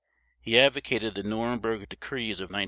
He advocated the Nuremberg Decrees of 1935.